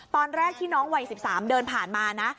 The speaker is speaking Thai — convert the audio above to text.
ตอนแรกที่น้องวัย๑๓เดินผ่านมานะ